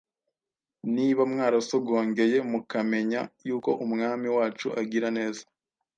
niba mwarasogongeye mukamenya yuko umwami wacu agira neza.”